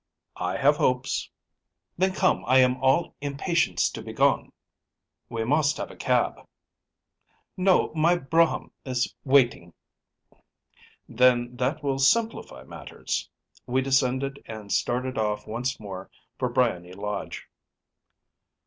‚ÄĚ “I have hopes.‚ÄĚ “Then, come. I am all impatience to be gone.‚ÄĚ “We must have a cab.‚ÄĚ “No, my brougham is waiting.‚ÄĚ “Then that will simplify matters.‚ÄĚ We descended and started off once more for Briony Lodge.